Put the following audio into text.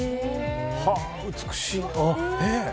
美しいな。